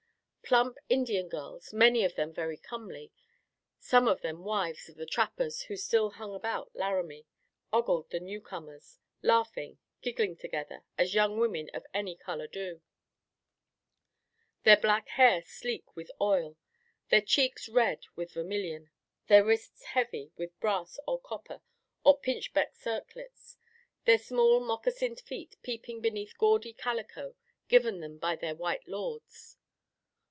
Plump Indian girls, many of them very comely, some of them wives of the trappers who still hung about Laramie, ogled the newcomers, laughing, giggling together as young women of any color do, their black hair sleek with oil, their cheeks red with vermilion, their wrists heavy with brass or copper or pinchbeck circlets, their small moccasined feet peeping beneath gaudy calico given them by their white lords.